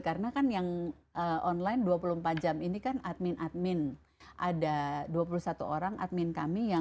karena kan yang online dua puluh empat jam ini kan admin admin ada dua puluh satu orang admin kami yang